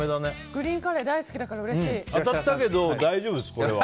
グリーンカレー大好きだから当たったけど大丈夫です、これは。